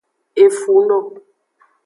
Efuno.